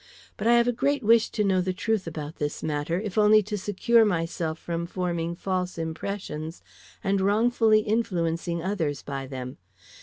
But I have a great wish to know the truth about this matter, if only to secure myself from forming false impressions and wrongfully influencing others by them.